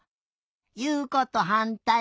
いうことはんたい！